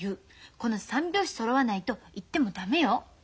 この３拍子そろわないと言っても駄目よ。